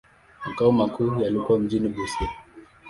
Makao makuu yalikuwa mjini Busia.